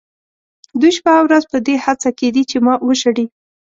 دوی شپه او ورځ په دې هڅه کې دي چې ما وشړي.